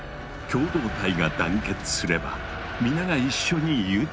共同体が団結すれば皆が一緒に豊かになれる。